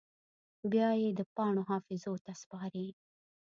بیا یې د پاڼو حافظو ته سپاري